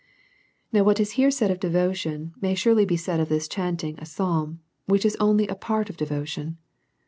Now what is here said of devotion, may surely be said of this chanting a psalm, which is only a part of devotion.